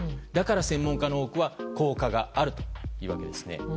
だから専門家の多くは効果があると言うんですね。